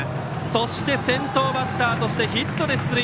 湯田、先頭バッターとしてヒットで出塁！